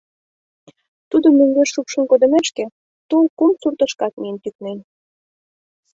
Тудым мӧҥгеш шупшын кондымешке, тул кум суртышкат миен тӱкнен.